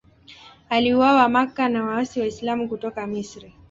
Aliuawa Makka na waasi Waislamu kutoka Misri.